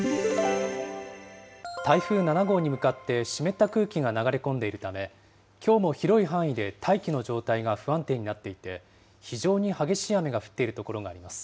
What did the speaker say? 台風７号に向かって湿った空気が流れ込んでいるため、きょうも広い範囲で大気の状態が不安定になっていて、非常に激しい雨が降っている所があります。